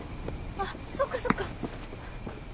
あっそっかそっか。